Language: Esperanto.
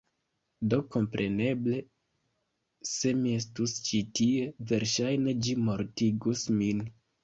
Do kompreneble, se mi estus ĉi tie, verŝajne ĝi mortigus min.